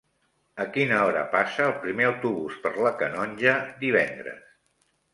A quina hora passa el primer autobús per la Canonja divendres?